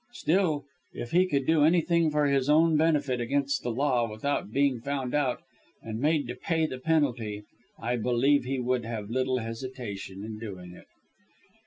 Still, if he could do anything for his own benefit against the law without being found out and made to pay the penalty, I believe he would have little hesitation in doing it."